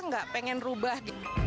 nggak pengen rubah